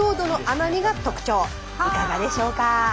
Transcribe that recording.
いかがでしょうか？